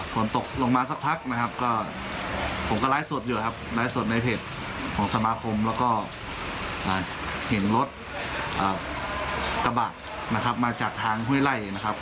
ฝนตกลงมาสักพักนะครับก็ผมก็ไลฟ์สดอยู่ครับไลฟ์สดในเพจของสมาคมแล้วก็เห็นรถกระบะนะครับมาจากทางห้วยไล่นะครับ